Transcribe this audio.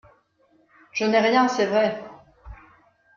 Je n’ai rien, c’est vrai !